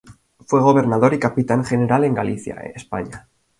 Fue gobernador y capitán general en Galicia, España.